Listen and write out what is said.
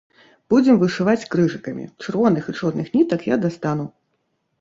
Будзем вышываць крыжыкамі, чырвоных і чорных нітак я дастану.